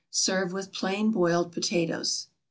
Serve with plain boiled potatoes.